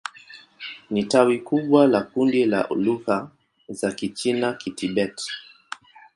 Ni tawi kubwa la kundi la lugha za Kichina-Kitibet.